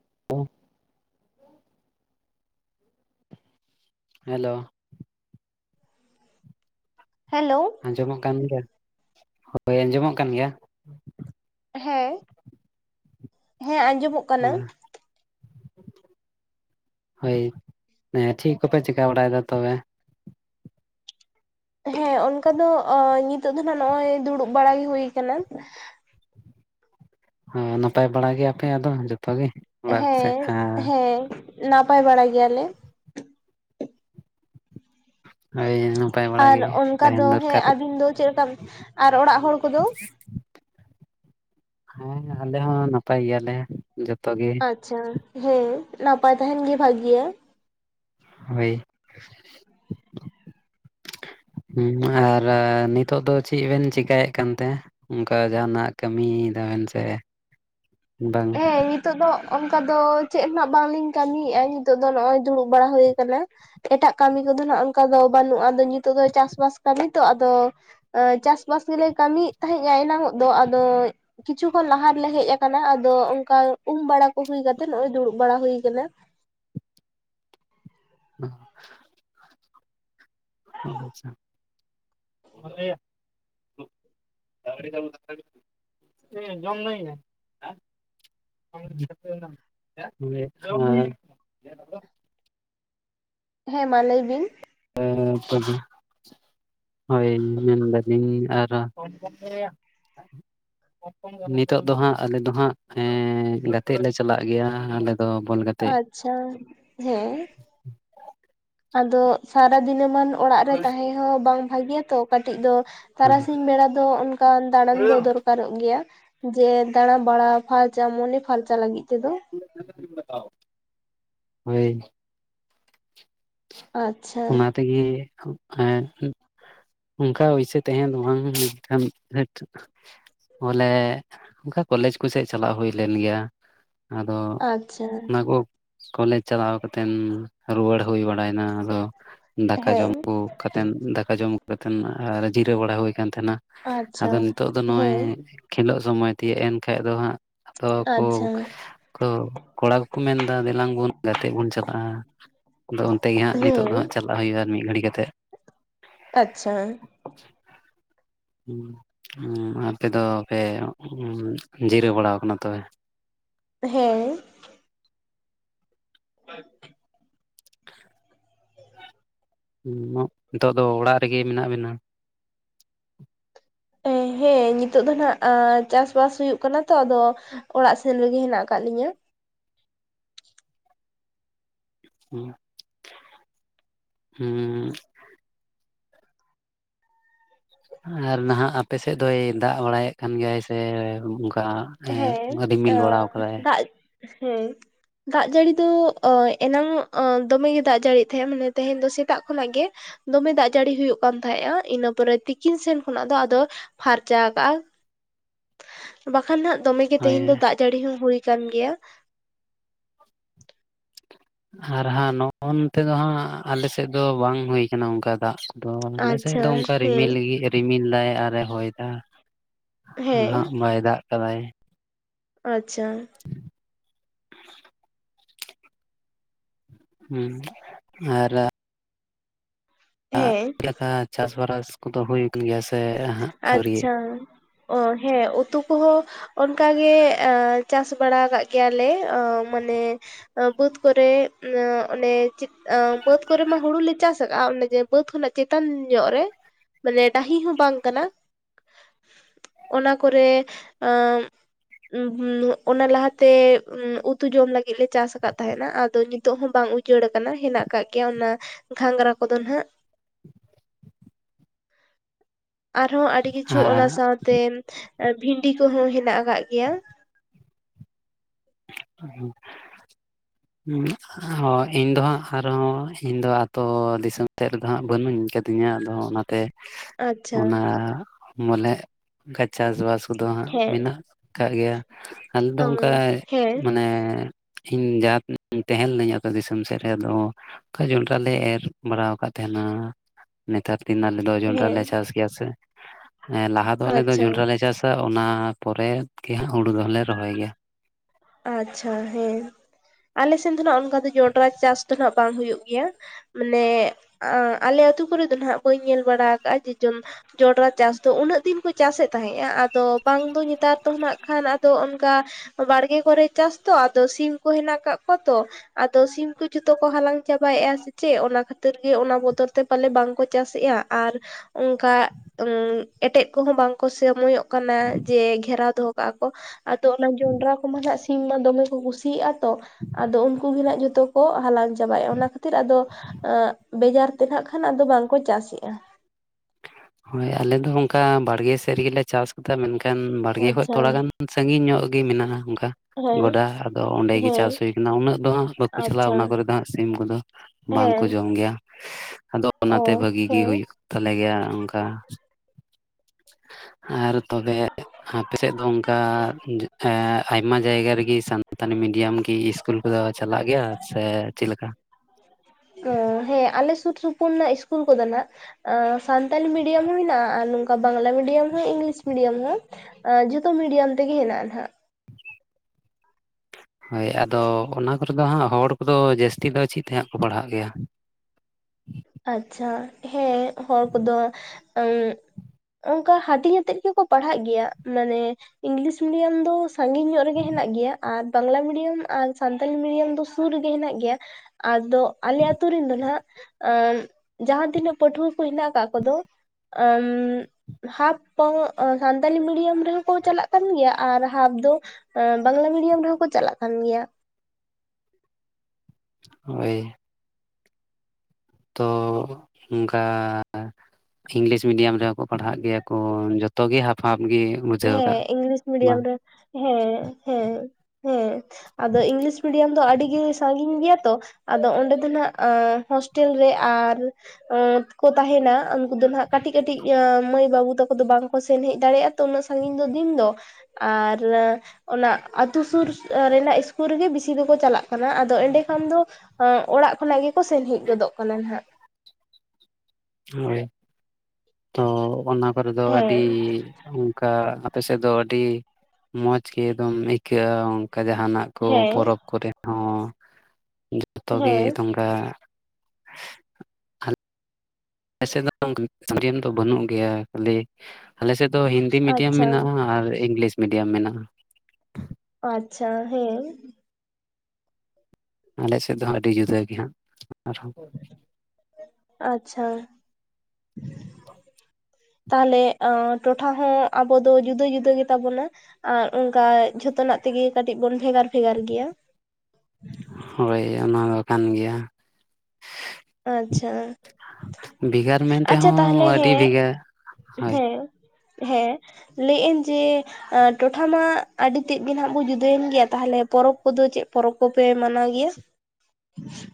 [inaudible] Hello. Hello, ᱟᱸᱡᱚᱢᱚᱜ ᱠᱟᱱ ᱜᱮᱭᱟ, ᱦᱳᱭ ᱟᱸᱡᱚᱢᱚᱜ ᱠᱟᱱ ᱜᱮᱭᱟ? ᱦᱮᱸ ᱦᱮᱸ ᱟᱸᱡᱚᱢᱚᱜ ᱠᱟᱱᱟ᱾ [inaudible] ᱦᱳᱭ ᱦᱮᱸ ᱪᱮᱫ ᱠᱚᱯᱮ ᱪᱮᱠᱟ ᱵᱟᱲᱹᱟᱭᱮᱫᱟ ᱛᱚᱵᱮ? ᱦᱮᱸ ᱚᱱᱠᱟ ᱫᱚ ᱱᱤᱛᱚᱜ ᱫᱚᱜ ᱱᱚᱜᱼᱚᱭ ᱫᱩᱲᱩᱵ ᱵᱟᱲᱟ ᱦᱩᱭ ᱠᱟᱱᱟ᱾ ᱦᱚᱸ ᱱᱟᱯᱟᱹᱭ ᱵᱟᱲᱟ ᱜᱮᱭᱟᱯᱮ ᱟᱫᱚ ᱡᱚᱛᱚ ᱜᱮ? ᱚᱲᱟᱜ ᱥᱮᱫ ᱦᱮᱸ ᱦᱮᱸ ᱱᱟᱯᱟᱹᱭ ᱵᱟᱲᱟ ᱜᱮᱭᱟᱞᱮ᱾ ᱦᱳᱭ ᱱᱟᱯᱟᱭ ᱵᱟᱲᱟ ᱟᱨ ᱜᱮ ᱚᱱᱠᱟ ᱛᱟᱦᱮᱱ ᱫᱚ ᱦᱮᱸ ᱫᱚᱨᱠᱟᱨ ᱟᱵᱤᱱ ᱫᱚ ᱪᱮᱫ ᱞᱮᱠᱟ ᱟᱨ ᱚᱲᱟᱜ ᱦᱚᱲ ᱠᱚᱫᱚ? ᱦᱮᱸ ᱟᱞᱮ ᱦᱚᱸ ᱱᱟᱯᱟᱭ ᱜᱮᱭᱟᱞᱮ ᱡᱚᱛᱚ ᱜᱮ᱾ ᱟᱪᱪᱷᱟ ᱦᱮᱸ ᱱᱟᱯᱟᱭ ᱛᱟᱦᱮᱱ ᱜᱮ ᱵᱷᱟᱜᱤᱭᱼᱟ᱾ ᱦᱳᱭ [inaudible] ᱦᱮᱸ ᱟᱨ ᱱᱤᱛᱚᱹᱜ ᱫᱚ ᱪᱮᱫ ᱵᱮᱱ ᱪᱤᱠᱟᱭᱮᱫ ᱠᱟᱱ ᱛᱮ? ᱚᱱᱠᱟ ᱡᱟᱦᱟᱸᱱᱟᱜ ᱠᱟᱹᱢᱤᱭ ᱮᱫᱟᱵᱮᱱ ᱥᱮ ᱵᱟᱝ? ᱦᱮᱸ ᱱᱤᱛᱚᱜ ᱫᱚ ᱚᱱᱠᱟ ᱫᱚ ᱪᱮᱫ ᱦᱚᱱᱟᱜ ᱵᱟᱝ ᱞᱤᱧ ᱠᱟᱹᱢᱤᱭᱮᱫᱼᱟ, ᱱᱤᱛᱚᱜ ᱫᱚ ᱱᱚᱜᱼᱚᱭ ᱫᱩᱲᱩᱵ ᱵᱟᱲᱟ ᱦᱩᱭ ᱟᱠᱟᱱᱟ᱾ ᱮᱴᱟᱜ ᱠᱟᱹᱢᱤ ᱠᱚᱫᱚᱹ ᱟᱸᱜ ᱚᱱᱠᱟ ᱫᱚ ᱵᱟᱹᱱᱩᱜᱼᱟ ᱟᱫᱚ ᱱᱤᱛᱳᱜ ᱫᱚ ᱪᱟᱥᱵᱟᱥ ᱠᱟᱹᱢᱤ ᱛᱚ ᱟᱫᱚ ᱮᱻ ᱪᱟᱥᱵᱟᱥ ᱜᱮᱞᱮ ᱠᱟᱹᱢᱤᱭᱮᱜ ᱛᱟᱦᱮᱸᱜᱼᱟ ᱮᱱᱟᱝ ᱚᱜ ᱫᱚ ᱟᱫᱚ ᱠᱤᱪᱷᱩ ᱠᱷᱚᱱ ᱞᱟᱦᱟ ᱨᱮᱞᱮ ᱦᱮᱡ ᱟᱠᱟᱱᱟ ᱟᱫᱚ ᱚᱱᱠᱟ ᱩᱢ ᱵᱟᱲᱟ ᱠᱚ ᱦᱩᱭ ᱠᱟᱛᱮᱜ ᱱᱚᱜᱚᱹᱭ ᱫᱩᱲᱩᱵ ᱵᱟᱲᱟ ᱦᱩᱭ ᱟᱠᱟᱱᱟ᱾ ᱚᱻ ᱚᱻ ᱟᱪᱪᱷᱟ [unintelligible] [unintelligible] [unintelligible] ᱦᱮᱸ ᱢᱟ ᱞᱟᱹᱭ ᱵᱤᱱ? [unintelligible] ᱦᱳᱭ ᱢᱮᱱ ᱫᱟᱞᱤᱧ ᱟᱨ [unintelligible] ᱱᱤᱛᱚᱜ ᱫᱚ ᱦᱟᱸᱜ ᱟᱞᱮ ᱫᱚ ᱦᱟᱸᱜ ᱮᱜ ᱜᱟᱛᱮᱜ ᱞᱮ ᱪᱟᱞᱟᱜ ᱜᱮᱭᱟ ᱟᱞᱮ ᱫᱚ᱾ ᱟᱫᱚ ᱵᱚᱞ ᱜᱟᱛᱮᱜ᱾ ᱟᱪᱪᱷᱟ ᱦᱮᱸ ᱟᱫᱚ ᱥᱟᱨᱟ ᱫᱤᱱᱟᱹ ᱢᱟᱱ ᱚᱲᱟᱜ ᱨᱮ ᱛᱟᱦᱮᱸ ᱦᱚᱸ ᱵᱟᱝ ᱵᱷᱟᱜᱮᱭᱟ ᱛᱚ ᱠᱟᱹᱴᱤᱡ ᱫᱚ ᱛᱟᱨᱟᱥᱤᱧ ᱵᱮᱲᱟ ᱫᱚ ᱚᱱᱠᱟᱱ ᱫᱟᱬᱟᱱ ᱫᱚ ᱫᱚᱨᱠᱟᱨ᱾ ᱫᱚᱨᱠᱟᱨᱚᱜ ᱜᱮᱭᱟ ᱡᱮ ᱫᱟᱬᱟ ᱵᱟᱲᱟ ᱯᱷᱟᱨᱪᱟ ᱢᱚᱱᱮ ᱯᱷᱟᱨᱪᱟ ᱞᱟᱹᱜᱤᱫ ᱛᱮᱫᱚ᱾ [unintelligible] ᱦᱳᱭ᱾ ᱟᱪᱪᱷᱟ᱾ ᱚᱱᱟ ᱛᱮᱜᱮ ᱮᱜ ᱚᱱᱠᱟ ᱚᱭᱥᱟᱹ ᱛᱟᱦᱮᱸ ᱫᱚ ᱵᱟᱝ ᱢᱮᱱᱠᱷᱟᱱ [unintelligible] ᱵᱚᱞᱮ ᱚᱱᱠᱟ ᱠᱚᱞᱮᱡᱽ ᱠᱚᱥᱮᱫ ᱪᱟᱞᱟᱣ ᱦᱩᱭ ᱞᱮᱱ ᱜᱮᱭᱟ᱾ ᱟᱫᱚ ᱟᱪᱪᱷᱟ ᱚᱱᱟ ᱠᱚ ᱠᱚᱞᱮᱡᱽ ᱪᱟᱞᱟᱣ ᱠᱟᱛᱮᱱ ᱨᱩᱣᱟᱹᱲ ᱦᱩᱭ ᱵᱟᱲᱟᱭ ᱱᱟ ᱟᱫᱚ ᱫᱟᱠᱟ ᱦᱮᱸ ᱡᱚᱢᱠᱚ ᱠᱟᱛᱮᱱ ᱫᱟᱠᱟ ᱡᱚᱢ ᱠᱟᱛᱮᱫ ᱟᱨ ᱡᱤᱨᱟᱹᱣ ᱵᱟᱲᱟ ᱦᱩᱭ ᱠᱟᱱ ᱛᱟᱦᱮᱱᱟ᱾ ᱟᱪᱪᱷᱟ ᱟᱫᱚ ᱱᱤᱛᱚᱜ ᱫᱚ ᱱᱚᱜᱼᱚᱭ ᱦᱮᱸ ᱠᱷᱮᱞᱳᱜ ᱥᱚᱢᱚᱭ ᱛᱮᱤᱭᱳᱜ-ᱮᱱ ᱠᱷᱟᱡ ᱫᱚ ᱦᱟᱸᱜ ᱟᱫᱟ ᱠᱚ ᱟᱪᱪᱷᱟ ᱠᱚ ᱠᱚᱲᱟ ᱠᱚᱠᱚ ᱢᱮᱱᱫᱟ ᱫᱮᱞᱟᱝ ᱵᱚᱱ ᱜᱟᱛᱮᱜ ᱵᱚᱱ ᱪᱟᱞᱟᱜᱼᱟ᱾ ᱟᱸᱫᱚ ᱚᱱᱛᱮ ᱜᱮ ᱦᱟᱸᱜ ᱱᱤᱛ ᱱᱤᱛᱚᱹᱜ ᱦᱮᱸ ᱫᱚ ᱦᱟᱜ ᱪᱟᱞᱟᱜ ᱦᱩᱭᱩᱜᱼᱟ᱾ ᱜᱮ ᱟᱨ ᱢᱤᱫ ᱜᱷᱟᱹᱲᱤ ᱠᱟᱛᱮᱫ᱾ ᱟᱪᱪᱷᱟ᱾ [inaudible] ᱦᱩᱸ ᱦᱩᱸ ᱟᱸᱯᱮ ᱫᱚ ᱯᱮ ᱩᱸᱜ ᱡᱤᱨᱟᱹᱣ ᱵᱟᱲᱟ ᱟᱸᱠᱟᱱᱟᱯᱮ? ᱦᱮᱸ᱾ [inaudible] [inaudible] ᱦᱩᱸ ᱱᱟᱜ ᱱᱤᱛᱚᱜ ᱫᱚ ᱚᱲᱟᱜ ᱨᱮᱜᱮ ᱢᱮᱱᱟᱜ ᱵᱮᱱᱟ? ᱮ ᱦᱮᱸ ᱱᱤᱛᱳᱜ ᱫᱚ ᱱᱟᱜ ᱟ ᱪᱟᱥ-ᱵᱟᱥ ᱦᱩᱭᱩᱜ ᱠᱟᱱᱟ ᱛᱚ ᱟᱫᱚ ᱚᱲᱟᱜ ᱥᱮᱱ ᱞᱮᱜᱮ ᱦᱮᱱᱟᱜ ᱟᱠᱟᱫ ᱞᱤᱧᱟ᱾ ᱦᱩᱸ᱾ ᱦᱩᱸ ᱟᱨ ᱱᱟᱦᱟᱜ ᱟᱯᱮ ᱥᱮᱫ ᱫᱚᱭ ᱫᱟᱜ ᱵᱟᱲᱟᱭᱮᱫ ᱠᱟᱱ ᱜᱮᱭᱟᱭ ᱥᱮ ᱚᱝᱠᱟ ᱦᱮᱸ ᱟᱸ ᱫᱟᱜ ᱦᱮᱸ᱾ ᱫᱟᱜ ᱡᱟᱹᱲᱤ ᱫᱚ ᱟᱵᱮᱱᱟᱝᱚᱜ ᱚ ᱫᱚᱢᱮ ᱜᱮ ᱫᱟᱜ ᱡᱟᱹᱲᱤᱭᱮᱫ ᱛᱟᱦᱮᱸᱫ ᱢᱟᱱᱮ ᱛᱮᱦᱮᱧ ᱫᱚ ᱥᱮᱛᱟᱜ ᱠᱷᱚᱱᱟᱜ ᱜᱮ ᱫᱚᱢᱮ ᱫᱟᱜ ᱡᱟᱹᱲᱤ ᱦᱩᱭᱩᱜ ᱠᱟᱱ ᱛᱟᱦᱮᱸᱼᱟ ᱤᱱᱟᱹ ᱯᱚᱨᱮ ᱛᱤᱠᱤᱱ ᱥᱮᱱ ᱠᱷᱚᱱᱟᱜ ᱫᱚ ᱟᱫᱚ ᱯᱷᱟᱨᱪᱟᱣ ᱟᱠᱟᱜᱼᱟ᱾ [inaudible] ᱠᱷᱟᱱ ᱦᱟᱸᱜ ᱫᱚᱢᱮ ᱜᱮ ᱦᱳᱭ ᱛᱮᱦᱮᱧ ᱫᱚ ᱫᱟᱜ ᱡᱟᱹᱲᱤ ᱦᱚᱸ ᱦᱩᱭ ᱠᱟᱱ ᱜᱮᱭᱟ᱾ ᱟᱨ ᱦᱟᱸᱜ ᱱᱚᱜᱼᱚ ᱱᱚᱱᱛᱮ ᱫᱚ ᱦᱟᱸᱜ ᱟᱞᱮ ᱥᱮᱫ ᱫᱚ ᱵᱟᱝ ᱦᱩᱭ ᱠᱟᱱᱟ ᱚᱱᱠᱟ ᱫᱟᱜ᱾ ᱫᱚ ᱟᱞᱮᱥᱮᱫ ᱟᱪᱪᱷᱟ ᱫᱚ ᱚᱝᱠᱟ ᱦᱮᱸ ᱨᱤᱢᱤᱞ ᱜᱮ ᱮᱫ ᱨᱤᱢᱤᱞ ᱫᱟᱭ ᱟᱨᱮ ᱦᱚᱭ ᱫᱟ, ᱟᱫᱚ ᱦᱮᱸ ᱦᱟᱸᱜ ᱵᱟᱭ ᱫᱟᱜ ᱠᱟᱫᱟᱭ᱾ ᱟᱪᱪᱷᱟ᱾ [inaudible] ᱦᱩᱸ ᱟᱨ ᱟ [unintelligible] ᱦᱮᱸ ᱞᱮᱠᱟ ᱪᱟᱥᱵᱟᱨᱟᱥ ᱠᱚᱫᱚ ᱦᱩᱭ ᱠᱟᱱ ᱜᱮᱭᱟ ᱥᱮ ᱦᱟᱸᱜ ᱟᱹᱣᱨᱤ ᱟᱪᱪᱷᱟ ᱚ ᱦᱮᱸ ᱩᱛᱩ ᱠᱚᱦᱚᱸ ᱚᱱᱠᱟᱜᱮ ᱟ ᱪᱟᱥ ᱵᱟᱲᱟ ᱟᱠᱟᱜ ᱜᱮᱭᱟᱞᱮ ᱟ ᱢᱟᱱᱮ ᱟ ᱵᱟᱹᱫᱽ ᱠᱚᱨᱮ ᱟᱫᱚ ᱚᱱᱮ ᱪᱮᱫ ᱟᱢ ᱵᱟᱹᱫ ᱠᱚᱨᱮ ᱢᱟ ᱦᱩᱲᱩᱞᱮ ᱪᱟᱥ ᱠᱟᱜᱼᱟ ᱟᱱᱮ ᱡᱮ ᱵᱟᱹᱫᱽ ᱠᱷᱚᱱᱟᱜ ᱪᱮᱛᱟᱱ ᱧᱚᱜ ᱨᱮ ᱢᱟᱱᱮ ᱰᱟᱹᱦᱤ ᱦᱚᱸ ᱵᱟᱝ ᱠᱟᱱᱟ᱾ ᱚᱱᱟ ᱠᱚᱨᱮ ᱟᱢ ᱩᱸᱦᱩᱱ ᱦᱚᱜ ᱚᱱᱟ ᱞᱟᱦᱟᱛᱮ ᱩᱛᱩ ᱡᱚᱢ ᱞᱟᱹᱜᱤᱫ ᱞᱮ ᱪᱟᱥ ᱟᱠᱟᱫ ᱛᱟᱦᱮᱸᱱᱟ ᱟᱫᱚ ᱱᱤᱛᱚᱜ ᱦᱚᱸ ᱵᱟᱝ ᱩᱡ ᱡᱲᱟ ᱠᱟᱱᱟ ᱦᱮᱱᱟᱜ ᱟᱠᱟᱜ ᱜᱮᱭᱟ ᱚᱱᱟ ᱜᱷᱟᱸᱜᱨᱟ ᱠᱚᱫᱚ ᱱᱟᱦᱜ᱾ ᱟᱨᱦᱚᱸ ᱟᱹᱰᱤ ᱠᱤᱪᱷᱩ ᱟᱨ ᱚᱱᱟ ᱥᱟᱶᱛᱮᱱ ᱮ ᱵᱷᱤᱱᱰᱤ ᱠᱚᱦᱚᱸ ᱦᱮᱱᱟᱜ ᱟᱠᱟᱫ ᱜᱮᱭᱟ᱾ [unintelligible] ᱟ ᱦᱚ ᱤᱧ ᱫᱚ ᱦᱟᱸᱜ ᱟᱨᱦᱚᱸ ᱤᱧᱫᱚ ᱟᱛᱳ ᱫᱤᱥᱚᱢ ᱥᱮᱫ ᱨᱮᱫᱚ ᱦᱟᱸᱜ ᱵᱟᱹᱱᱩᱧ ᱠᱟᱹᱫᱤᱧᱟ ᱟᱫᱚ ᱚᱱᱟ ᱛᱮ ᱟᱪᱪᱷᱟ ᱚᱱᱟ ᱵᱚᱞᱮ ᱚᱱᱠᱟ ᱪᱟᱥᱵᱟᱥ ᱠᱚᱫᱚ ᱦᱟᱸᱜ ᱦᱮᱸ ᱢᱮᱱᱟᱜ ᱠᱟᱜ ᱜᱮᱭᱟ᱾ ᱟᱞᱮ ᱫᱚ ᱚᱱᱠᱟ ᱦᱮᱸ ᱢᱟᱱᱮ ᱤᱧ ᱡᱟᱦᱟᱸ ᱛᱤᱱᱟᱜ ᱤᱧ ᱛᱟᱦᱮᱸ ᱞᱤᱱᱟᱹᱧ ᱟᱹᱛᱳ ᱫᱤᱥᱚᱢ ᱥᱮᱫ ᱨᱮ ᱟᱫᱚ ᱟᱝᱠᱟ ᱡᱚᱸᱰᱨᱟ ᱞᱮ ᱮᱨ ᱵᱟᱲᱟᱣ ᱟᱠᱟᱫ ᱛᱟᱦᱮᱱᱟ ᱱᱮᱛᱟᱨ ᱫᱤᱱ ᱟᱞᱮ ᱫᱚ ᱡᱚᱸᱰᱨᱟ ᱦᱮᱸ ᱞᱮ ᱪᱟᱥ ᱜᱮᱭᱟ ᱥᱮ᱾ ᱮᱸ ᱞᱟᱦᱟ ᱫᱚ ᱟᱞᱮᱫᱚ ᱟᱪᱪᱷᱟ ᱡᱚᱸᱰᱨᱟ ᱞᱮ ᱪᱟᱥ ᱫᱚ ᱚᱱᱟ ᱯᱚᱨᱮ ᱜᱮ ᱦᱟᱸᱜ ᱦᱩᱲᱩ ᱫᱚᱦᱚᱸᱞᱮ ᱨᱚᱦᱚᱭ ᱜᱮᱭᱟ᱾ ᱟᱪᱪᱷᱟ ᱦᱮᱸ ᱟᱞᱮ ᱥᱮᱱ ᱫᱚ ᱱᱟᱦᱜ ᱚᱱᱠᱟ ᱫᱚ ᱡᱚᱱᱰᱨᱟ ᱪᱟᱥ ᱫᱚ ᱱᱟᱦᱜ ᱵᱟᱝ ᱦᱩᱭᱩᱜ ᱜᱮᱭᱟ᱾ ᱢᱟᱱᱮ ᱟᱸ ᱟᱞᱮ ᱟᱛᱩ ᱠᱚᱨᱮ ᱫᱚ ᱱᱟᱦᱟᱸᱜ ᱵᱟᱹᱧ ᱧᱮᱞ ᱵᱟᱲᱟ ᱟᱠᱟᱜᱼᱟ ᱡᱮ ᱡᱚᱢ ᱡᱚᱸᱱᱰᱨᱟ ᱪᱟᱥ ᱫᱚ ᱩᱱᱟᱹᱜ ᱫᱤᱱ ᱠᱚ ᱪᱟᱥᱮᱫ ᱛᱟᱦᱮᱸᱫᱼᱟ ᱟᱫᱚ ᱵᱟᱝ ᱫᱚ ᱱᱮᱛᱟᱨ ᱫᱚ ᱱᱟᱜ-ᱠᱷᱟᱱ ᱟᱫᱚ ᱚᱱᱠᱟ ᱵᱟᱲᱜᱮ ᱠᱚᱨᱮ ᱪᱟᱥ ᱛᱚ ᱟᱫᱚ ᱥᱤᱢ ᱠᱚ ᱦᱮᱱᱟᱜ ᱠᱟᱜ ᱠᱚᱣᱟ ᱛᱚ ᱟᱫᱚ ᱥᱤᱢ ᱠᱚ ᱡᱷᱚᱛᱚ ᱠᱚ ᱦᱟᱞᱟᱝ ᱪᱟᱵᱟᱭᱮᱜ-ᱟ ᱥᱮ ᱪᱮᱜ ᱚᱱᱟ ᱠᱷᱟᱹᱛᱤᱨ ᱜᱮ ᱚᱱᱟ ᱵᱚᱫᱚᱞ ᱛᱮ ᱯᱟᱞᱮ ᱵᱟᱝ ᱠᱚ ᱪᱟᱥᱮᱜᱼᱟ ᱟᱨ ᱚᱝᱠᱟ ᱩᱸ ᱮᱴᱮᱫ ᱠᱚᱦᱚᱸ ᱵᱟᱝ ᱠᱚ ᱥᱮᱢᱚᱭᱚᱜ ᱠᱟᱱᱟ ᱡᱮ ᱜᱷᱮᱨᱟᱣ ᱫᱚᱦᱚ ᱠᱟᱜᱼᱟ ᱠᱚ, ᱟᱫᱚ ᱚᱱᱟ ᱡᱚᱸᱱᱰᱨᱟ ᱛᱩᱢᱟᱹᱞ ᱦᱟᱸᱜ ᱥᱤᱢ ᱢᱟ ᱫᱚᱢᱮ ᱠᱚ ᱠᱩᱥᱤᱭᱟᱜᱼᱟ ᱛᱚ᱾ ᱟᱫᱚ ᱩᱱᱠᱩ ᱜᱮ ᱱᱟᱜ ᱡᱷᱚᱛᱚ ᱠᱚ ᱦᱟᱞᱟᱝ ᱪᱟᱵᱟᱭᱮᱜᱼᱟ ᱚᱱᱟ ᱠᱷᱟᱹᱛᱤᱨ ᱟᱫᱚ ᱟᱸᱜ ᱵᱮᱡᱟᱨ ᱛᱮ ᱱᱟᱜ-ᱠᱷᱟᱱ ᱟᱫᱚ ᱵᱟᱝ ᱠᱚ ᱪᱟᱥᱮᱜᱼᱟ᱾ ᱦᱳᱭ ᱟᱞᱮ ᱫᱚ ᱚᱱᱠᱟ ᱵᱟᱲᱜᱮ ᱥᱮᱫ ᱨᱮᱜᱮᱞᱮ ᱪᱟᱥ ᱠᱟᱫᱟ ᱢᱮᱱ ᱠᱷᱟᱱ ᱵᱟᱲᱜᱮ ᱠᱷᱚᱡ ᱟᱪᱪᱷᱟ ᱛᱷᱚᱲᱟ ᱜᱟᱱ ᱥᱟᱺᱜᱤᱧ ᱧᱚᱜ ᱜᱮ ᱢᱮᱱᱟᱜᱼᱟ ᱚᱱᱠᱟ ᱦᱮᱸ ᱜᱚᱰᱟ ᱟᱫᱚ ᱚᱸᱰᱮ ᱜᱮ ᱦᱮᱸ ᱪᱟᱥ ᱦᱩᱭ ᱠᱟᱱᱟ ᱩᱱᱟᱹᱜ ᱫᱚ ᱦᱟᱸᱜ ᱵᱟᱠᱚ ᱪᱟᱞᱟᱜᱼᱟ ᱟᱪᱪᱷᱟ ᱚᱱᱟ ᱠᱚᱨᱮ ᱫᱚ ᱦᱟᱸᱜ ᱥᱤᱢ ᱠᱚᱫᱚ, ᱵᱟᱝ ᱠᱚ ᱦᱮᱸ ᱡᱚᱢ ᱜᱮᱭᱟ ᱟᱫᱚ ᱚ ᱚᱱᱟᱛᱮ ᱵᱷᱟᱹᱜᱤ ᱜᱮ ᱦᱮᱸ ᱦᱩᱭᱩᱜ ᱛᱟᱞᱮ ᱜᱮᱭᱟ᱾ ᱚᱝᱠᱟ ᱟᱨ ᱛᱚᱵᱮ ᱟᱯᱮᱥᱮᱫ ᱫᱚ ᱚᱱᱠᱟ ᱡᱟᱹ ᱮᱸ ᱟᱭᱢᱟ ᱡᱟᱭᱜᱟ ᱨᱮᱜᱮ ᱥᱟᱱᱛᱟᱞᱤ ᱢᱤᱰᱤᱭᱟᱢ ᱠᱤ ᱤᱥᱠᱩᱞ ᱠᱚᱫᱚ ᱪᱟᱞᱟᱜ ᱜᱮᱭᱟ ᱥᱮ ᱪᱮᱫ ᱞᱮᱠᱟ? [inaudible] ᱛᱚ ᱦᱮᱸ ᱟᱞᱮ ᱥᱩᱨ ᱥᱩᱯᱩᱨ ᱨᱮᱱᱟᱜ ᱤᱥᱠᱩᱞ ᱠᱚᱫᱚ ᱱᱟᱜ ᱟᱸ ᱥᱟᱱᱛᱟᱞᱤ ᱢᱤᱰᱤᱭᱟᱢ ᱦᱚᱸ ᱢᱮᱱᱟᱜᱼᱟ, ᱟᱨ ᱱᱟᱝ ᱚᱱᱠᱟ ᱵᱟᱝᱞᱟ ᱢᱤᱰᱤᱭᱟᱢ ᱦᱚᱸ ᱤᱝᱞᱤᱥ ᱢᱤᱰᱤᱭᱟᱢ ᱦᱚᱸ ᱟᱸ ᱡᱷᱚᱛᱚ ᱢᱤᱰᱟᱢ ᱛᱮᱜᱮ ᱦᱮᱱᱟᱜᱼᱟ ᱱᱟᱜ᱾ ᱦᱳᱭ ᱟᱫᱚ ᱚᱱᱟ ᱠᱚᱨᱮ ᱫᱚ ᱦᱟᱸᱜ ᱦᱚᱲ ᱠᱚᱫᱚ ᱡᱟᱹᱥᱛᱤ ᱫᱚ ᱪᱮᱫ ᱛᱮ ᱦᱟᱸᱜ ᱠᱚ ᱯᱟᱲᱦᱟᱜ ᱜᱮᱭᱟ? ᱟᱪᱪᱷᱟ ᱦᱮᱸ ᱦᱚᱲ ᱠᱚᱫᱚ ᱟᱹᱩᱸ ᱚᱱᱠᱟ ᱦᱟᱹᱴᱤᱧ ᱟᱛᱮᱜ ᱜᱮᱠᱚ ᱯᱟᱲᱦᱟᱜ ᱜᱮᱭᱟ ᱢᱟᱱᱮ ᱤᱝᱞᱤᱥ ᱢᱤᱰᱤᱭᱟᱢ ᱫᱚ ᱥᱟᱜᱤᱧ ᱧᱚᱜ ᱨᱮᱜᱮ ᱦᱮᱱᱟᱜ ᱜᱮᱭᱟ, ᱟᱨ ᱵᱟᱝᱞᱟ ᱢᱤᱰᱤᱭᱟᱢ ᱟᱨ ᱥᱟᱱᱛᱟᱞᱤ ᱢᱤᱰᱤᱭᱟᱢ ᱫᱚ ᱥᱩᱨ ᱨᱮᱜᱮ ᱦᱮᱱᱟᱜ ᱜᱮᱭᱟ ᱟᱫᱚ ᱟᱞᱮ ᱟᱛᱩ ᱨᱮᱱ ᱫᱚ ᱱᱟᱜ ᱟᱸᱜᱢ ᱡᱟᱦᱟᱸ ᱛᱤᱱᱟᱹᱜ ᱯᱟᱹᱴᱷᱩᱣᱟᱹ ᱠᱚ ᱦᱮᱱᱟᱜ ᱠᱟᱜ ᱠᱚᱫᱚᱢ ᱟᱢ ᱦᱟᱯ ᱠᱚᱦᱚᱸ ᱥᱟᱱᱛᱟᱞᱤ ᱢᱤᱰᱤᱭᱟᱢ ᱨᱮᱦᱚᱸ ᱠᱚ ᱪᱟᱞᱟᱜ ᱠᱟᱱ ᱜᱮᱭᱟ ᱟᱨ ᱦᱟᱯ ᱫᱚ ᱟᱸ ᱵᱟᱝᱞᱟ ᱢᱤᱰᱤᱭᱟᱢ ᱨᱮᱦᱚᱸᱠᱚ ᱪᱟᱞᱟᱜ ᱠᱟᱱ ᱜᱮᱭᱟ᱾ ᱦᱳᱭ᱾ ᱛᱚ ᱚᱝᱠᱟ ᱤᱝᱞᱤᱥ ᱢᱤᱰᱤᱭᱟᱢ ᱨᱮᱦᱚᱸ ᱯᱟᱲᱦᱟᱜ ᱜᱮᱭᱟ ᱠᱚ ᱡᱷᱚᱛᱚ ᱜᱮ ᱦᱟᱯ ᱦᱟᱯ ᱜᱮ᱾ ᱵᱩᱡᱷᱟᱹᱣ ᱦᱮᱸ ᱠᱟᱜ ᱤᱝᱞᱤᱥ ᱢᱤᱰᱤᱭᱟᱢ ᱵᱟᱝ ᱨᱮ ᱦᱮᱸ ᱦᱮᱸ᱾ ᱦᱮᱸ [inaudible] ᱟᱫᱚ ᱤᱝᱞᱤᱥ ᱢᱤᱰᱤᱭᱟᱢ ᱫᱚ ᱟᱹᱰᱤ ᱜᱮ ᱥᱟᱜᱤᱧ ᱜᱮᱭᱟ ᱛᱚ ᱟᱫᱚ ᱚᱸᱰᱮ ᱫᱚ ᱱᱟᱜ ᱟᱸ ᱦᱚᱥᱴᱮᱞ ᱨᱮ ᱟᱨ ᱚᱸ ᱠᱚ ᱛᱟᱦᱮᱱᱟ᱾ ᱩᱱᱠᱩ ᱫᱚ ᱱᱟᱜ ᱠᱟᱴᱤᱡ ᱠᱟᱴᱤᱡ ᱟᱸ ᱢᱟᱹᱭ ᱵᱟᱵᱩ ᱛᱟᱠᱚ ᱫᱚ ᱵᱟᱝᱠᱚ ᱥᱮᱱ ᱦᱮᱡ ᱫᱟᱲᱮᱭᱟᱜᱼᱟ ᱛᱚ ᱩᱱᱟᱹᱜ ᱥᱟᱺᱜᱤᱧ ᱫᱚ ᱫᱤᱱ ᱫᱚ᱾ ᱟᱨ ᱚᱱᱟ ᱟᱛᱩ ᱥᱩᱨ ᱨᱮᱱᱟᱜ ᱤᱥᱠᱩᱞ ᱨᱮᱜᱮ ᱵᱮᱥᱤ ᱫᱚᱠᱚ ᱪᱟᱞᱟᱜ ᱠᱟᱱᱟ ᱟᱫᱚ ᱮᱸᱰᱮ ᱠᱷᱟᱱ ᱫᱚ ᱟᱸ ᱚᱲᱟᱜ ᱠᱷᱚᱱᱟᱜ ᱜᱮᱠᱚ ᱥᱮᱱ ᱦᱮᱡ ᱜᱚᱫᱚᱜ ᱠᱟᱱᱟ ᱱᱟᱜ᱾ ᱦᱳᱭ ᱛᱚ ᱚᱱᱟ ᱠᱚᱨᱮ ᱫᱚ ᱟᱹᱰᱤ ᱦᱮᱸ ᱚᱱᱠᱟ ᱟᱯᱮ ᱥᱮᱫ ᱫᱚ ᱟᱹᱰᱤ ᱢᱚᱸᱡᱽ ᱜᱮ ᱮᱠᱫᱚᱢ ᱟᱹᱭᱠᱟᱹᱜᱼᱟ ᱚᱱᱠᱟ ᱡᱟᱦᱟᱱᱟᱜ ᱠᱚ ᱦᱮᱸ ᱯᱚᱨᱚᱵᱽ ᱠᱚᱨᱮ ᱦᱚᱸ ᱡᱷᱚᱛᱚ ᱜᱮ ᱦᱮᱸ ᱫᱚᱸᱜᱟ ᱟᱠᱮ ᱥᱮᱫ ᱫᱚ [unintelligible] ᱵᱟᱹᱱᱩᱜ ᱜᱮᱭᱟ ᱠᱷᱟᱹᱞᱤ ᱟᱞᱮ ᱥᱮᱫ ᱫᱚ ᱦᱤᱱᱫᱤ ᱢᱤᱰᱤᱭᱟᱢ ᱟᱪᱪᱷᱟ ᱢᱮᱱᱟᱜᱼᱟ ᱟᱨ ᱤᱝᱞᱤᱥ ᱢᱤᱰᱤᱭᱟᱢ ᱢᱮᱱᱟᱜᱼᱟ᱾ ᱟᱪᱪᱷᱟ ᱦᱮᱸ ᱟᱞᱮ ᱥᱮᱫ ᱫᱚ ᱦᱟᱸᱜ ᱟᱹᱰᱤ ᱡᱩᱫᱟᱹ ᱜᱮ ᱦᱟᱸᱜ ᱟᱨᱦᱚᱸ᱾ ᱟᱪᱪᱷᱟ᱾ ᱛᱟᱦᱚᱞᱮ ᱟᱸ ᱴᱚᱴᱷᱟ ᱦᱚᱸ ᱟᱵᱚ ᱫᱚ ᱡᱩᱫᱟᱹ ᱡᱩᱫᱟᱹ ᱜᱮᱛᱟ ᱵᱚᱱᱟ᱾ ᱟᱨ ᱚᱝᱠᱟ ᱡᱚᱛᱚᱱᱟᱜ ᱛᱮᱜᱮ ᱠᱟᱹᱴᱤᱡ ᱵᱚᱱ ᱵᱷᱮᱜᱟᱨ ᱵᱷᱮᱜᱟᱨ ᱜᱮᱭᱟ᱾ ᱦᱳᱭ ᱚᱱᱟ ᱫᱚ ᱠᱟᱱ ᱜᱮᱭᱟ᱾ ᱟᱪᱪᱷᱟ ᱵᱷᱮᱜᱟᱨ ᱟᱪᱪᱷᱟ ᱛᱟᱦᱚᱞᱮ ᱢᱮᱱᱛᱮᱦᱚᱸ ᱟᱹᱰᱤ ᱦᱮᱸ ᱵᱷᱮᱜᱟᱨ ᱦᱳᱭ ᱦᱮᱸ᱾ ᱦᱮᱸ ᱞᱟᱹᱭ-ᱮᱜ ᱟᱹᱧ ᱡᱮ ᱮᱸ ᱴᱚᱴᱷᱟ ᱢᱟ ᱟᱹᱰᱤ ᱛᱮᱫ ᱜᱮ ᱱᱟᱷᱟᱸᱜ ᱵᱚᱱ ᱡᱩᱫᱟᱹᱭᱮᱱ ᱜᱮᱭᱟ ᱛᱟᱦᱞᱮ ᱯᱚᱨᱚᱵᱽ ᱠᱚᱫᱚ ᱪᱮᱫ ᱯᱚᱨᱚᱵᱽ ᱠᱚᱯᱮ ᱢᱟᱱᱟᱣ ᱜᱮᱭᱟ? [unintelligible]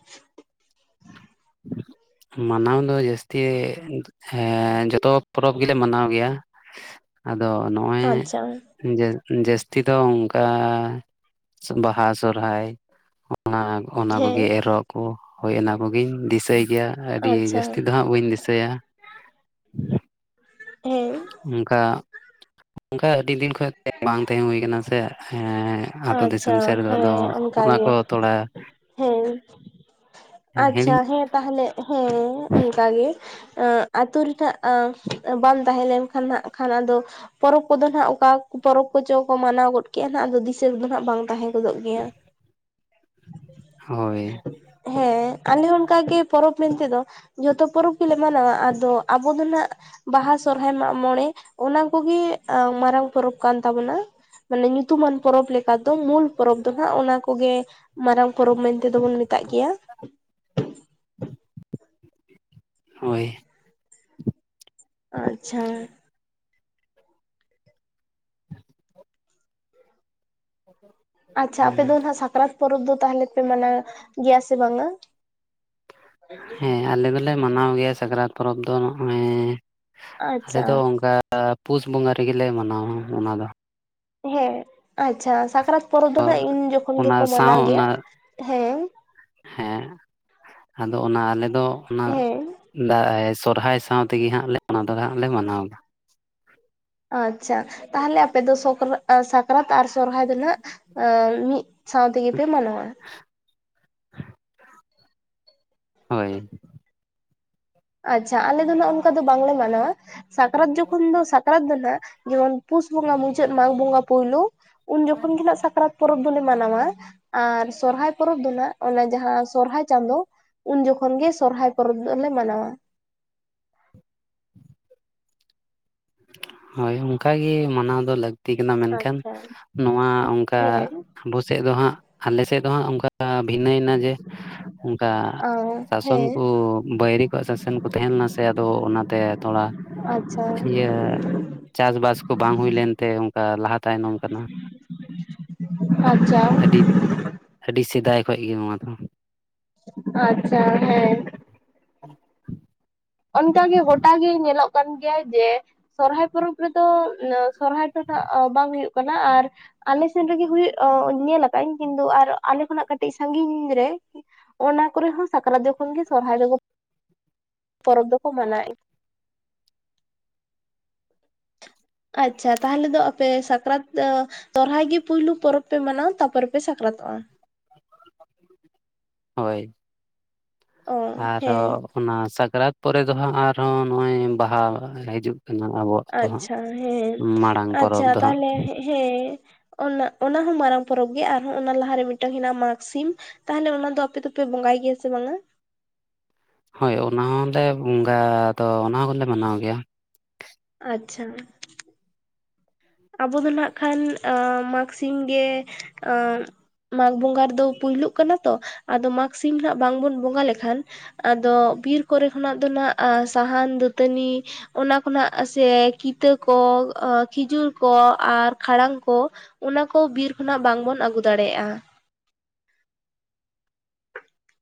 ᱢᱟᱱᱟᱣ ᱫᱚ ᱡᱟᱹᱥᱛᱤ ᱮᱸᱻ ᱡᱚᱛᱚ ᱯᱚᱨᱚᱵᱽ ᱜᱮᱞᱮ ᱢᱟᱱᱟᱣ ᱜᱮᱭᱟ᱾ ᱟᱫᱚ ᱱᱚᱜᱼᱚᱭ ᱟᱪᱪᱷᱟ ᱡᱟ ᱡᱟᱹᱥᱛᱤ ᱫᱚ ᱚᱱᱠᱟ ᱵᱟᱦᱟ ᱥᱚᱨᱦᱟᱭ [inaudible] ᱚᱱᱟ ᱦᱮᱸ ᱠᱚᱜᱮ ᱮᱨᱚᱜ ᱠᱚ ᱦᱳᱭ ᱚᱱᱟ ᱠᱚᱜᱮᱧ ᱫᱤᱥᱟᱹᱭ ᱜᱮᱭᱟ ᱟᱹᱰᱤ ᱟᱪᱪᱷᱟ ᱡᱟᱹᱥᱛᱤ ᱫᱚ ᱦᱟᱸᱜ ᱵᱟᱹᱧ ᱫᱤᱥᱟᱹᱭᱟ᱾ ᱦᱮᱸ᱾ ᱚᱱᱠᱟ ᱚᱱᱠᱟ ᱟᱹᱰᱤ ᱫᱤᱱ ᱠᱷᱚᱡ ᱜᱮ ᱵᱟᱝ ᱛᱟᱦᱮᱸ ᱦᱩᱭ ᱠᱟᱱᱟ ᱥᱮ, ᱮᱸ ᱟᱛᱳ ᱟᱪᱪᱷᱟ ᱫᱤᱥᱚᱢ ᱥᱮᱫ ᱨᱮᱫᱚ ᱟᱫᱚ ᱦᱮᱸ ᱚᱱᱟ ᱚᱱᱠᱟᱜᱮ ᱠᱚ ᱛᱷᱚᱲᱟᱼᱼ ᱦᱮᱸ ᱟᱪᱪᱷᱟ ᱦᱤᱲᱤᱧ ᱦᱮᱸ ᱛᱟᱦᱚᱞᱮ ᱦᱮᱸ ᱚᱱᱠᱟᱜᱮ ᱮᱸᱜ ᱟᱛᱩ ᱨᱮᱱᱟᱜ ᱮᱸᱼᱼ ᱵᱟᱢ ᱛᱟᱦᱮᱸ ᱞᱮᱱᱠᱷᱟᱱ ᱦᱟᱸᱜ ᱠᱷᱟᱱ ᱟᱫᱚᱼᱼ ᱯᱚᱨᱚᱵᱽ ᱠᱚᱫᱚ ᱦᱟᱸᱜ ᱚᱠᱟ ᱠᱚ ᱯᱚᱨᱚᱵᱽ ᱠᱚᱪᱚ ᱠᱚ ᱢᱟᱱᱟᱣ ᱠᱚ ᱢᱟᱱᱟᱣ ᱜᱚᱫ ᱠᱮᱜᱼᱟ ᱱᱟᱦᱟᱜ ᱟᱫᱚ ᱫᱤᱥᱟᱹ ᱨᱮᱫᱚ ᱦᱟᱸᱜ ᱵᱟᱝ ᱛᱟᱦᱮᱸ ᱼᱼ ᱜᱚᱫᱚᱜ ᱜᱮᱭᱟ ᱾ ᱦᱳᱭ᱾ ᱦᱮᱸ ᱟᱞᱮ ᱦᱚᱸ ᱚᱱᱠᱟᱜᱮ ᱯᱚᱨᱚᱵᱽ ᱢᱮᱱᱛᱮ ᱫᱚᱼᱼ ᱡᱷᱚᱛᱚ ᱯᱚᱨᱚᱵᱽ ᱜᱮᱞᱮ ᱢᱟᱱᱟᱣᱟ ᱟᱫᱚ ᱟᱵᱚ ᱫᱚ ᱦᱟᱸᱜᱼᱼ ᱵᱟᱦᱟ ᱥᱚᱨᱦᱟᱭ ᱢᱟᱜᱽ ᱢᱚᱬᱮ ᱚᱱᱟ ᱠᱚᱜᱮ ᱮᱸ ᱢᱟᱨᱟᱝ ᱯᱚᱨᱚᱵᱽ ᱠᱟᱱ ᱛᱟᱵᱚᱱᱟ ᱾ ᱢᱟᱱᱮ ᱧᱩᱛᱩᱢᱟᱱᱼᱼ ᱯᱚᱨᱚᱵᱽ ᱞᱮᱠᱟ ᱫᱚ ᱢᱩᱞ ᱯᱚᱨᱚᱵᱽ ᱫᱚ ᱦᱟᱸᱜ ᱚᱱᱟ ᱠᱚᱜᱮ ᱢᱟᱨᱟᱝ ᱯᱚᱨᱚᱵᱽ ᱢᱮᱱᱛᱮ ᱫᱚ ᱵᱚᱱ ᱢᱮᱛᱟᱜ ᱜᱮᱭᱟ ᱾ ᱦᱳᱭ᱾ ᱟᱪᱪᱷᱟ᱾ [unintelligible] ᱟᱪᱪᱷᱟ ᱟᱯᱮ ᱫᱚ ᱦᱟᱸᱜ ᱥᱟᱠᱨᱟᱛᱼᱼ ᱯᱚᱨᱚᱵᱽ ᱫᱚ ᱛᱟᱦᱚᱞᱮ ᱯᱮ ᱢᱟᱱᱟᱣ ᱜᱮᱭᱟ ᱥᱮ ᱵᱟᱝᱼᱟ? ᱦᱮᱸ ᱟᱞᱮ ᱫᱚᱞᱮ ᱢᱟᱱᱟᱣ ᱜᱮᱭᱟ ᱥᱟᱠᱨᱟᱛ ᱯᱚᱨᱚᱵᱽ ᱫᱚ [unintelligible] ᱟᱞᱮ ᱟᱪᱪᱷᱟ ᱫᱚ ᱚᱱᱠᱟᱼᱼ ᱯᱩᱥ ᱵᱚᱸᱜᱟ ᱨᱮᱜᱮ ᱞᱮ ᱢᱟᱱᱟᱣᱟ ᱚᱱᱟ ᱫᱚ᱾ ᱦᱮᱸ ᱟᱪᱪᱷᱟ ᱥᱟᱠᱨᱟᱛ ᱯᱚᱨᱚᱵᱽ ᱫᱚ [unintelligible] ᱤᱱ ᱡᱚᱠᱷᱚᱱ ᱚᱱᱟ ᱜᱮᱠᱚ ᱢᱟᱱᱟᱣ ᱥᱟᱶ ᱜᱮᱭᱟ ᱚᱱᱟ ᱦᱮᱸ? ᱦᱮᱸ ᱟᱫᱚ ᱚᱱᱟ ᱟᱞᱮ ᱫᱚ ᱮ ᱚᱱᱟ ᱦᱮᱸ ᱫᱟᱭ ᱥᱚᱨᱦᱟᱭ ᱥᱟᱶᱛᱮᱼᱼ ᱛᱮᱜᱮ ᱦᱟᱸᱜ ᱞᱮ ᱚᱱᱟ ᱫᱚ ᱦᱟᱸᱜ ᱞᱮ ᱢᱟᱱᱟᱣ ᱫᱟ ᱾ ᱟᱪᱪᱷᱟ ᱛᱟᱦᱚᱞᱮ ᱟᱯᱮ ᱫᱚ ᱥᱚᱠᱨᱟ ᱮᱸ ᱥᱟᱠᱨᱟᱛ ᱟᱨ ᱥᱚᱨᱦᱟᱭ ᱫᱚ ᱱᱷᱟᱸᱜ ᱢᱤᱫᱼᱼ ᱥᱟᱶ ᱛᱮᱜᱮ ᱯᱮ ᱢᱟᱱᱟᱣᱟ? ᱦᱳᱭ᱾ ᱟᱪᱪᱷᱟ ᱟᱞᱮ ᱫᱚ ᱱᱷᱟᱸᱜ ᱚᱱᱠᱟ ᱫᱚ ᱵᱟᱝᱞᱮ ᱢᱟᱱᱟᱣᱟ ᱥᱟᱠᱨᱟᱛ ᱡᱚᱠᱷᱚᱱ ᱫᱚ ᱥᱟᱠ ᱠᱨᱟᱛ ᱫᱚ ᱱᱷᱟᱸᱜ ᱡᱮᱢᱚᱱ ᱯᱩᱥ ᱵᱚᱸᱜᱟ ᱢᱩᱪᱟᱹᱫ ᱢᱟᱜᱽ ᱵᱚᱸᱜᱟ ᱯᱩᱭᱞᱳ ᱩᱱ ᱡᱚᱠᱷᱚᱱ ᱜᱮ ᱱᱟᱦᱟᱜ ᱥᱟᱠᱨᱟᱛ ᱼᱼ ᱯᱚᱨᱚᱵᱽ ᱫᱚᱞᱮ ᱢᱟᱱᱟᱣᱟ ᱟᱨ ᱥᱚᱨᱦᱟᱭ ᱯᱚᱨᱚᱵᱽ ᱫᱚ ᱱᱷᱟᱸᱜ ᱚᱱᱟ ᱡᱟᱦᱟᱸ ᱥᱚᱨᱦᱟᱭ ᱪᱟᱸᱫᱳᱼᱼ ᱩᱱ ᱡᱚᱠᱷᱚᱱ ᱜᱮ ᱥᱚᱨᱦᱟᱭ ᱯᱚᱨᱚᱵᱽ ᱫᱚᱞᱮ ᱢᱟᱱᱟᱣ-ᱟ᱾ ᱦᱳᱭ ᱚᱱᱠᱟ ᱜᱮ ᱢᱟᱱᱟᱣ ᱫᱚ ᱞᱟᱹᱠᱼᱼ ᱞᱟᱹᱠᱛᱤ ᱠᱟᱱᱟ ᱢᱮᱱᱠᱷᱟᱱ ᱟᱪᱪᱷᱟ ᱱᱚᱣᱟ ᱚᱱᱠᱟ ᱦᱮᱸ ᱟᱵᱚ ᱥᱮᱫ ᱫᱚ ᱦᱟᱸᱜ ᱟᱞᱮ ᱥᱮᱫ ᱫᱚ ᱦᱟᱸᱜ ᱚᱱᱠᱟ ᱵᱷᱤᱱᱟᱹᱭᱮᱱᱟ ᱡᱮ ᱚᱱᱠᱟ ᱚ ᱥᱟᱥᱚᱱ ᱠᱚ ᱦᱮᱸ ᱵᱟᱹᱭᱨᱤ ᱠᱚᱣᱟᱜ ᱥᱟᱥᱚᱱ ᱠᱚ ᱛᱟᱦᱮᱸ ᱞᱮᱱᱟ ᱥᱮ ᱟᱫᱚ ᱚᱱᱟᱛᱮ ᱛᱷᱚᱲᱟ ᱟᱪᱪᱷᱟ᱾ ᱤᱭᱟᱹ ᱪᱟᱥᱵᱟᱥ ᱠᱚ ᱵᱟᱝ ᱦᱩᱭ ᱞᱮᱱᱛᱮ ᱚᱱᱠᱟ ᱞᱟᱦᱟ ᱛᱟᱭᱱᱚᱢ ᱠᱟᱱᱟ᱾ ᱟᱪᱪᱷᱟ᱾ ᱟᱹᱰᱤ ᱟᱹᱰᱤ ᱥᱮᱫᱟᱭ ᱠᱷᱚᱡᱽ ᱜᱮ ᱱᱚᱣᱟ ᱫᱚ᱾ ᱟᱪᱪᱷᱟ ᱦᱮᱸ᱾ ᱚᱱᱠᱟᱜᱮ ᱜᱚᱴᱟ ᱜᱮ ᱧᱮᱞᱚᱜ ᱠᱟᱱ ᱜᱮᱭᱟ ᱡᱮ ᱥᱚᱨᱦᱟᱭ ᱯᱚᱨᱚᱵᱽ ᱨᱮ ᱫᱚ ᱥᱚᱨᱦᱟᱭ ᱫᱚ ᱦᱟᱸᱜ ᱵᱟᱝ ᱦᱩᱭᱩᱜ ᱠᱟᱱᱟ ᱟᱨ ᱟᱞᱮ ᱥᱮᱱ ᱨᱮᱜᱮ ᱦᱩᱭᱩᱜ ᱧᱮᱞ ᱟᱠᱟᱜᱟᱹᱧ ᱠᱤᱱᱛᱩ ᱟᱨ ᱟᱞᱮ ᱠᱷᱚᱱᱟᱜ ᱠᱟᱹᱴᱤᱡ ᱥᱟᱜᱤᱧ ᱨᱮ ᱚᱱᱟ ᱠᱚᱨᱮ ᱦᱚᱸ ᱥᱟᱠᱨᱟᱛ ᱡᱚᱠᱷᱚᱱ ᱜᱮ ᱥᱚᱨᱦᱟᱭ ᱫᱟᱵᱚ᱾ ᱯᱚᱨᱚᱵᱽ ᱫᱚᱠᱚ ᱢᱟᱱᱟᱣᱮᱫ ᱜᱮᱭᱟ ᱾ ᱟᱪᱪᱷᱟ ᱛᱟᱦᱚᱞᱮ ᱫᱚ ᱟᱯᱮ ᱥᱟᱠᱨᱟᱛ ᱥᱚᱨᱦᱟᱭ ᱜᱮ ᱯᱩᱭᱞᱩ ᱯᱚᱨᱚᱵᱽ ᱯᱮ ᱢᱟᱱᱟᱣᱟ ᱛᱟᱨᱯᱚᱨᱮ ᱯᱮ ᱥᱟᱠᱨᱟᱛᱚᱜᱼᱟ? ᱦᱳᱭ ᱚ ᱟᱨᱚ ᱦᱮᱸ ᱚᱱᱟ ᱥᱟᱠᱨᱟᱛ ᱯᱚᱨᱮ ᱫᱚ ᱦᱟᱸᱜ ᱟᱨᱦᱚᱸ ᱱᱚᱜᱼᱚᱭ ᱵᱟᱦᱟ ᱦᱤᱡᱩᱜ ᱠᱟᱱᱟ ᱟᱵᱚᱣᱟᱜ ᱾ ᱟᱪᱪᱷᱟ ᱦᱮᱸ ᱟᱪᱪᱷᱟ ᱫᱚ ᱦᱟᱸᱜ ᱛᱟᱦᱚᱞᱮ ᱦᱮᱸ᱾ ᱚᱱᱟ ᱚᱱᱟ ᱦᱚᱸ ᱢᱟᱨᱟᱝ ᱯᱚᱨᱚᱵᱽ ᱜᱮ ᱟᱨᱦᱚᱸ ᱚᱱᱟ ᱞᱟᱦᱟᱨᱮ ᱢᱤᱫᱴᱟᱝ ᱦᱮᱱᱟᱜᱼᱟ ᱢᱟᱜᱽᱥᱤᱢ। ᱛᱟᱦᱚᱞᱮ ᱚᱱᱟ ᱫᱚ ᱟᱯᱮ ᱫᱚᱯᱮ ᱵᱚᱸᱜᱟᱭ ᱜᱮᱭᱟ ᱥᱮ ᱵᱟᱝᱟ? ᱦᱳᱭ ᱚᱱᱟ ᱦᱚᱸᱞᱮ ᱵᱚᱸᱜᱟ ᱫᱚ ᱚᱱᱟ ᱦᱚᱸᱞᱮ ᱢᱟᱱᱟᱣ ᱜᱮᱭᱟ। ᱟᱪᱪᱷᱟ। ᱟᱵᱚ ᱫᱚ ᱱᱟᱜ ᱠᱷᱟᱱ ᱢᱟᱜᱽ ᱥᱤᱢ ᱜᱮ ᱢᱟᱜᱽ ᱵᱚᱸᱜᱟ ᱨᱮᱫᱚ ᱯᱳᱭᱞᱳ ᱠᱟᱱᱟ ᱛᱚ ᱟᱫᱚ ᱢᱟᱜᱽ ᱥᱤᱢ ᱟᱜ ᱵᱟᱝᱵᱩᱱ ᱵᱚᱸᱜᱟ ᱞᱮᱠᱷᱟᱱ ᱟᱫᱚ ᱵᱤᱨ ᱠᱚᱨᱮ ᱠᱷᱚᱱᱟᱜ ᱫᱚ ᱱᱟᱜ ᱥᱟᱦᱟᱱ ᱫᱟᱹᱛᱟᱹᱱᱤ ᱚᱱᱟ ᱠᱷᱚᱱᱟᱜ ᱥᱮ ᱠᱤᱛᱟᱹ ᱠᱚ ᱠᱷᱤᱡᱩᱨ ᱠᱚ ᱟᱨ ᱠᱷᱟᱲᱟᱝ ᱠᱚ ᱚᱱᱟ ᱠᱚ ᱵᱤᱨ ᱠᱷᱚᱱᱟᱜ ᱵᱟᱝ ᱵᱚᱱ ᱟᱹᱜᱩ ᱫᱟᱲᱮᱭᱟᱜᱼᱟ।